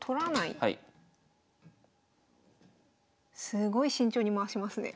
すごい慎重に回しますね。